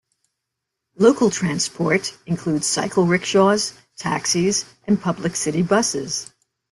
Local transport includes Cycle Rickshaws, Taxis and Public City Buses.